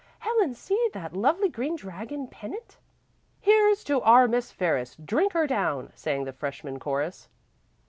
Helen, see that lovely green dragon pennant!" "Here's to our Miss Ferris, drink her down!" sang the freshman chorus.